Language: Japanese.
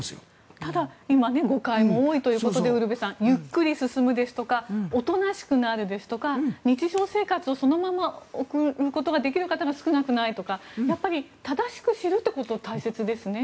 ただ、今は誤解も多いということでウルヴェさんゆっくり進むですとかおとなしくなるですとか日常生活をそのまま送ることができる方が少なくないとか正しく知ることが大切ですね。